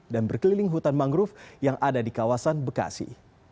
dan berkeliling hutan mangrove yang ada di kawasan bekasi